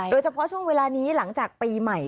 โดยเฉพาะช่วงเวลานี้หลังจากปีใหม่